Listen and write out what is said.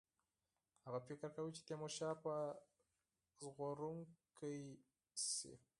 هغه فکر کاوه چې تیمورشاه به ژغورونکی شي.